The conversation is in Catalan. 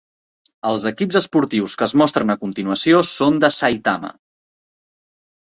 Els equips esportius que es mostren a continuació són de Saitama.